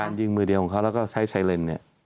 ยิงมือเดียวของเขาแล้วก็ใช้ไซเลนเนี่ย